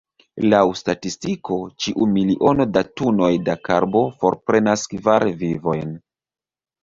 Laŭ statistiko, ĉiu miliono da tunoj da karbo forprenas kvar vivojn.